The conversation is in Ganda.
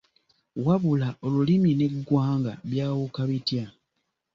Wabula Olulimi n’eggwanga byawuka bitya